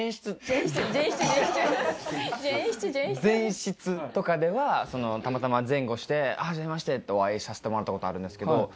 前室とかではたまたま前後して「はじめまして」ってお会いさせてもらったことあるんですけど。